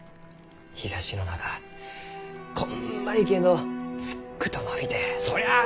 日ざしの中こんまいけんどすっくと伸びてそりゃあ